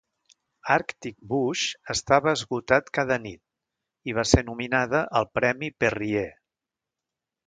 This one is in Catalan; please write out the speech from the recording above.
"Arctic Boosh" estava esgotat cada nit i va ser nominada al premi Perrier.